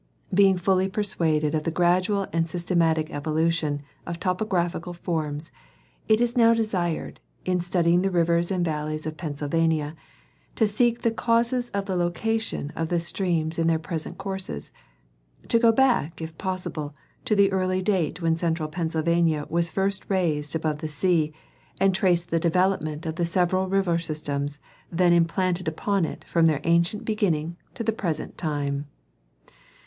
Being The Rivers mid Vcdleys of PeQinsylvania. 185 fully persuaded of the gradual and systematic evolution of topo graphic forms, it is now desired, in studying the rivers and valleys of Pennsylvania, to seek the causes of the location of the streams in their present courses ; to go back if possible to the early date when central Pennsylvania was first raised above the sea and trace the development of the several river systems then implanted upon it from their ancient beginning to the present time.